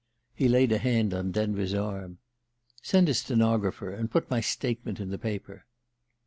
He laid a hand on Denver's arm. "Send a stenographer, and put my statement in the paper."